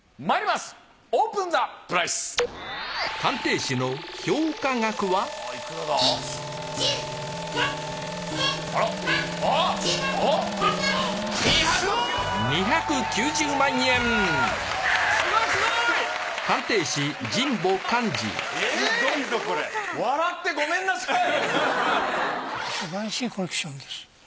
すばらしいコレクションです。